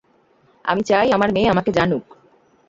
আমি চাই আমার মেয়ে আমাকে জানুক।